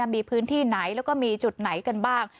มีพื้นที่ไหนมีจุดไหนกันบ้าง